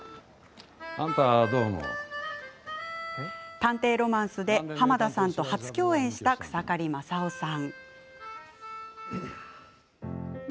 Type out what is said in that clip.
「探偵ロマンス」で濱田さんと初共演した草刈正雄さん。